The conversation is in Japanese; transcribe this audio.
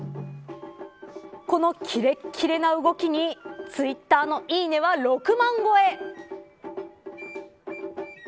このキレッキレな動きにツイッターのいいねは６万超え。